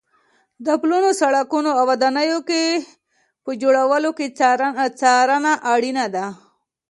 د پلونو، سړکونو او ودانیو په جوړولو کې څارنه اړینه ده.